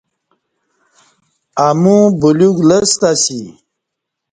امو بلیوک لستہ اسی